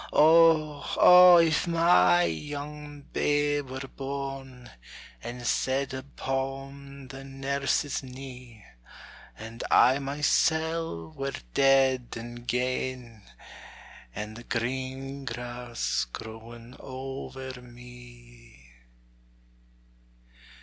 Oh, oh! if my young babe were born, And set upon the nurse's knee; And I mysel' were dead and gane, And the green grass growing over me!